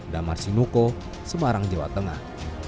damar sinuko semarang jawa tengah